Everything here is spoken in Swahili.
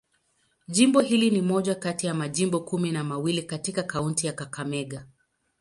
Jimbo hili ni moja kati ya majimbo kumi na mawili katika kaunti ya Kakamega.